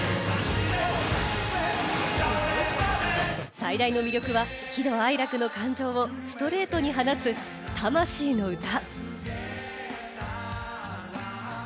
最大の魅力は喜怒哀楽の感情をストレートに放つ魂の歌。